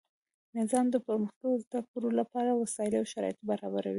نظام د پرمختللو زده کړو له پاره وسائل او شرایط برابروي.